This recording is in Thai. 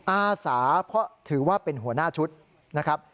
อาสาเพราะถือว่าเป็นหัวหน้าชุดนะครับ